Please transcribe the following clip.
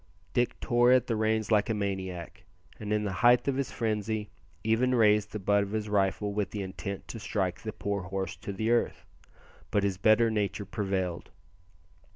Dick tore at the reins like a maniac, and in the height of his frenzy even raised the butt of his rifle with the intent to strike the poor horse to the earth, but his better nature prevailed.